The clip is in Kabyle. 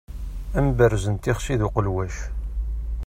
Amberrez n tixsi d uqelwac.